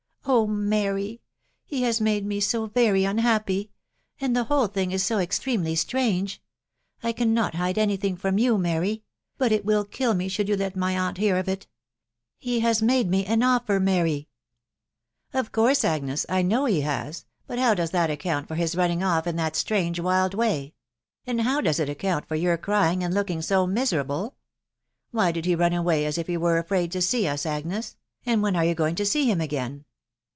" Oh, Mary !.... he has made me ae very unhappy ..•. and the whole thing is so extremely strange ...• I cant hide any thing from you, Mary, ...» but it wiH kH me should you let my aunt hear of it. .... He haa made mtt m offer, Mary !"" Of course, Agnes, I know he has .... But how <ha that account for his running off in that strange wild way? •and how does it account for your crying and 1^wM g ■ miserable ? Why did he run away as if he were afttiiti see us, Agnes ? and when are you going to see him again?"